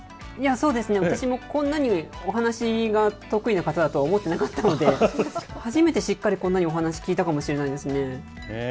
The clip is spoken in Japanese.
そうですね、私もこんなにお話が得意な方だとは思ってなかったので、初めてしっかりこんなにお話聞いたかもしれないですね。